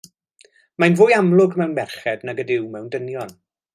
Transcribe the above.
Mae'n fwy amlwg mewn merched nag ydyw mewn dynion.